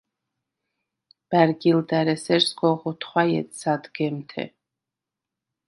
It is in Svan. ბა̈რგილდა̈რ ესერ სგოღ ოთხვაჲედ სადგემთე.